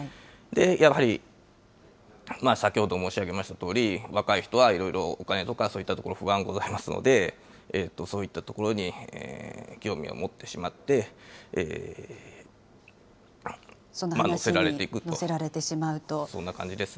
やはり先ほど申し上げましたとおり、若い人はいろいろお金とかそういったところ、不安がございますので、そういったところに興味を持ってしまって、その話に乗せられてしまうと。